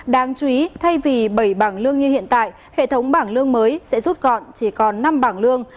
đáng chú ý thay vì bảy bảng lương như hiện tại hệ thống bảng lương mới sẽ rút gọn chỉ còn năm bảng lương